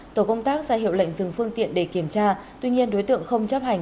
tổ công tác ra hiệu lệnh dừng phương tiện để kiểm tra tuy nhiên đối tượng không chấp hành